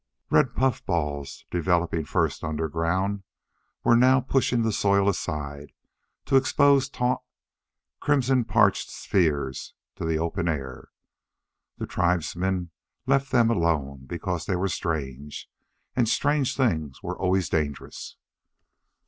Red puffballs, developing first underground, were now pushing the soil aside to expose taut, crimson parchment spheres to the open air. The tribesmen left them alone because they were strange; and strange things were always dangerous.